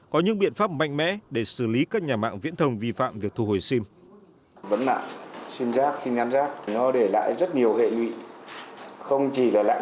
có những biện pháp mạnh mẽ để xử lý các nhà mạng viễn thông vi phạm việc thu hồi sim